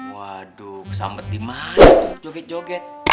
waduh kesambet dimana tuh joget joget